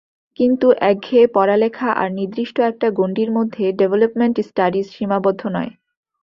কিন্তু একঘেয়ে পড়ালেখা আর নির্দিষ্ট একটা গন্ডির মধ্যে ডেভেলপমেন্ট স্টাডিজ সীমাবদ্ধ নয়।